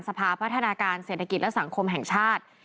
พัฒนาการเศรษฐกิจและสังคมแห่งชาติ